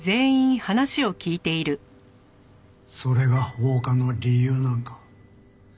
それが放火の理由なんか？